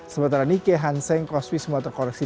sementara nikkei hanseng kospi semua terkoreksi